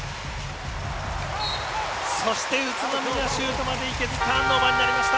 そして宇都宮シュートまでいけずターンオーバーになりました。